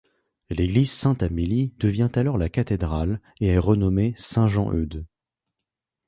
L'église Sainte-Amélie devient alors la cathédrale et est renommée Saint Jean-Eudes.